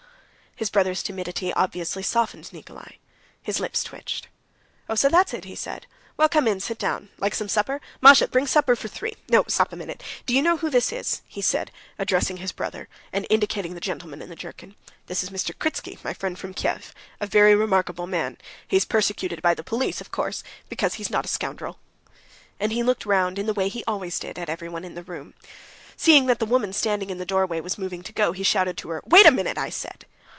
His brother's timidity obviously softened Nikolay. His lips twitched. "Oh, so that's it?" he said. "Well, come in; sit down. Like some supper? Masha, bring supper for three. No, stop a minute. Do you know who this is?" he said, addressing his brother, and indicating the gentleman in the jerkin: "This is Mr. Kritsky, my friend from Kiev, a very remarkable man. He's persecuted by the police, of course, because he's not a scoundrel." And he looked round in the way he always did at everyone in the room. Seeing that the woman standing in the doorway was moving to go, he shouted to her, "Wait a minute, I said."